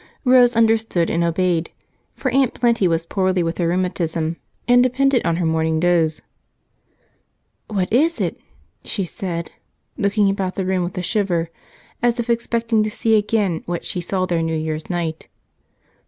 Rose understood and obeyed, for Aunt Plenty was poorly with her rheumatism and depended on her morning doze. "What is it?" she said, looking about the room with a shiver, as if expecting to see again what she saw there New Year's night.